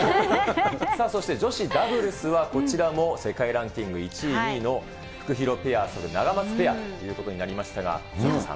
そして女子ダブルスは、こちらも世界ランキング１位、２位のフクヒロペア、そしてナガマツペアということになりましたが、潮田さん。